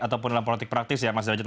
ataupun dalam politik praktis ya mas derajat